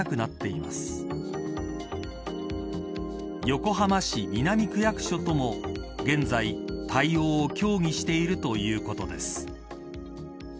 横浜市南区役所とも現在、対応を協議しているということです